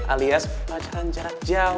alias pacaran jarak jauh